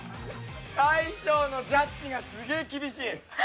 大将のジャッジがすげえ厳しい。